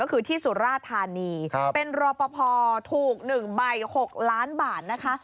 ก็คือที่สุราธานีเป็นรอปภถูก๑ใบ๖ล้านบาทนะคะ